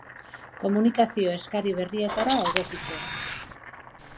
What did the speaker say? Komunikazioko eskari berrietara egokitzea.